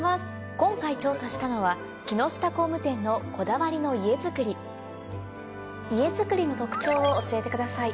今回調査したのは木下工務店のこだわりの家づくり家づくりの特徴を教えてください。